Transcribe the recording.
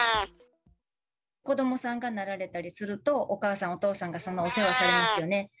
子どもさんがなられたりすると、お母さん、お父さんがそのお世話されますよね。